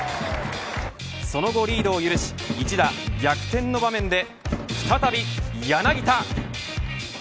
その後、リードを許し一打逆転の場面で再び柳田。